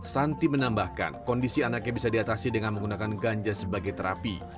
santi menambahkan kondisi anaknya bisa diatasi dengan menggunakan ganja sebagai terapi